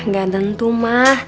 gak tentu ma